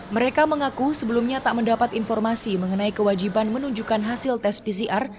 mereka mengaku sebelumnya tak mendapat informasi mengenai kewajiban menunjukkan hasil tes pcr